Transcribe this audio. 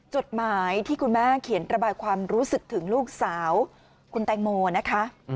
จดหมายที่คุณแม่เขียนระบายความรู้สึกถึงลูกสาวคุณแตงโมนะคะ